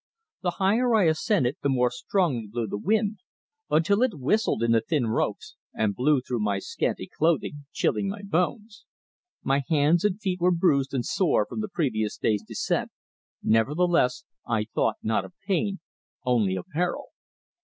The higher I ascended the more strongly blew the wind, until it whistled in the thin ropes and blew through my scanty clothing, chilling my bones. My hands and feet were bruised and sore from the previous day's descent, nevertheless I thought not of pain, only of peril.